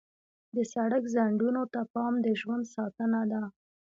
د سړک خنډونو ته پام د ژوند ساتنه ده.